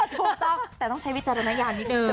ถูกต้องแต่ต้องใช้วิจารณญาณนิดนึง